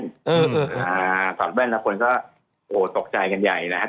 ผ่าว่าถอดแว่นนะคนก็สกใจกันใหญ่นะครับ